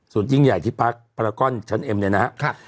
ส่วนยิ่งใหญ่ที่พักพลาก้อนชั้นเอ็มเนี่ยนะครับ